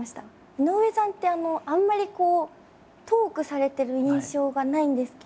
井上さんってあんまりこうトークされてる印象がないんですけど。